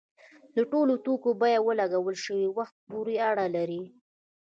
د ټولو توکو بیه په لګول شوي وخت پورې اړه لري.